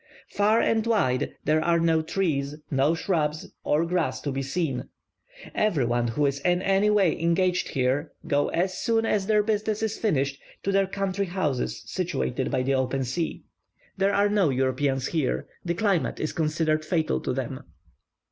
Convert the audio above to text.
Far and wide there are no trees, no shrubs or grass to be seen. Every one who is in any way engaged here, go as soon as their business is finished to their country houses situated by the open sea. There are no Europeans here; the climate is considered fatal to them.